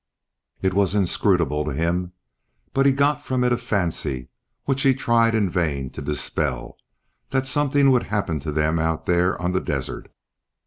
It was inscrutable to him, but he got from it a fancy, which he tried in vain to dispel, that something would happen to them out there on the desert.